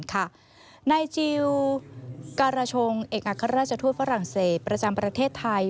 นายจิลการชงเอกอัครราชทูตฝรั่งเศสประจำประเทศไทย